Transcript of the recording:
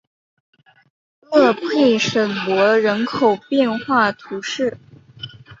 勒佩什罗人口变化图示